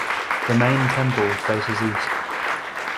The main temple faces east.